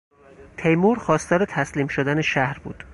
تیمور خواستار تسلیم شدن شهر بود.